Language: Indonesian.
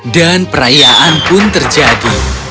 dan perayaan pun terjadi